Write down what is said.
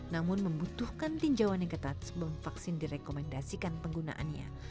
namun membutuhkan tinjauan yang ketat sebelum vaksin direkomendasikan penggunaannya